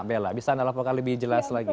bisa nelofokal lebih jelas lagi